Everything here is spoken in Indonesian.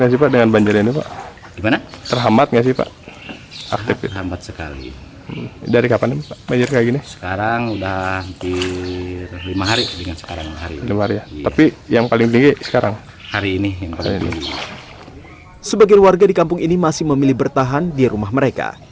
sebagian warga di kampung ini masih memilih bertahan di rumah mereka